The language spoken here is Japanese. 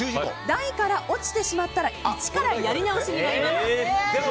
台から落ちてしまったらいちからやり直しになります。